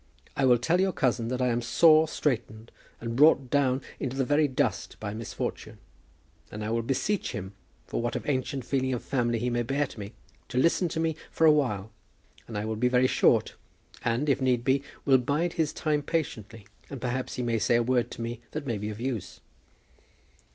I will tell your cousin that I am sore straitened, and brought down into the very dust by misfortune. And I will beseech him, for what of ancient feeling of family he may bear to you, to listen to me for a while. And I will be very short, and, if need be, will bide his time patiently, and perhaps he may say a word to me that may be of use."